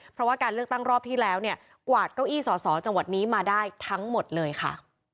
เพราะว่าการเลือกตั้งรอบที่แล้วเนี่ยกวาดเก้าอี้สอสอจังหวัดนี้มาได้ทั้งหมดเลยค่ะ